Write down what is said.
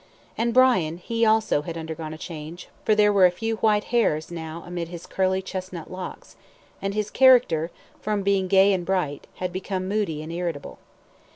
And Brian, he also had undergone a change, for there were a few white hairs now amid his curly, chestnut locks, and his character, from being gay and bright, had become moody and irritable.